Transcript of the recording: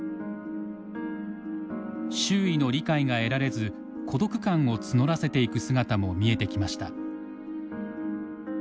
周囲の理解が得られず孤独感を募らせていく姿も見えてきました。